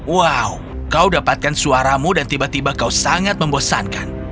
wow kau dapatkan suaramu dan tiba tiba kau sangat membosankan